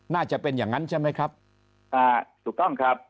น่าจะเป็นอย่างนั้นใช่ไหมครับอ่าถูกต้องครับ